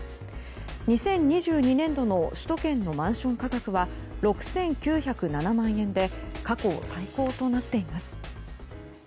２０２２年度の首都圏のマンション価格は６９０７万円で過去最高となっています。